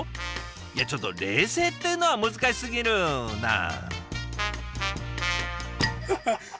いやちょっと冷製っていうのは難しすぎるなあ。